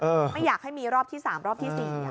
เออไม่อยากให้มีรอบที่สามรอบที่สี่อย่าง